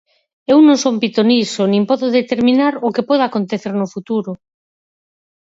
Eu non son pitoniso nin podo determinar o que poda acontecer no futuro.